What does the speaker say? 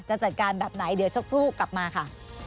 จะจัดการแบบไหนเดี๋ยวสักครู่กลับมาค่ะ